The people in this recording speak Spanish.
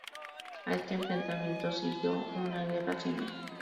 A este enfrentamiento siguió una guerra civil.